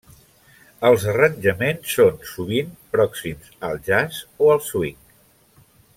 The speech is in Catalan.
Els arranjaments són sovint pròxims al jazz o el swing.